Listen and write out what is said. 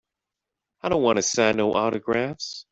I don't wanta sign no autographs.